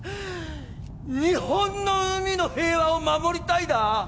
日本の海の平和を守りたいだ？